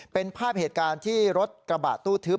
เป็นภาพเหตุการณ์ที่รถกระบะตู้ทึบ